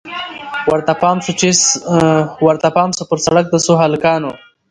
ورته پام سو پر سړک د څو هلکانو